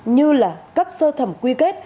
như là cấp sơ thẩm quy kết